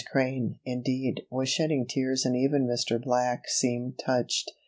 Crane, indeed, was shedding tears and even Mr. Black seemed touched.